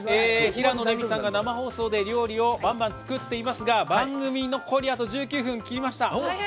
平野レミさんが生放送で料理をバンバン作ってますが番組、残り１９分切りました。